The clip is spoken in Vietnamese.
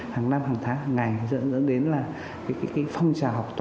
hàng năm hàng tháng hàng ngày dẫn đến phong trào học